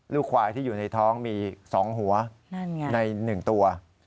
ควายที่อยู่ในท้องมี๒หัวใน๑ตัว